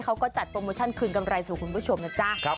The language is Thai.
เขาก็จัดโปรโมชั่นคืนกำไรสู่คุณผู้ชมนะจ๊ะ